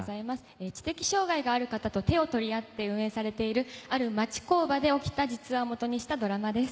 知的障がいのある方と手を取り合って、運営されているある町工場で起きた実話をもとにしたドラマです。